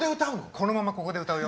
このままここで歌うよ。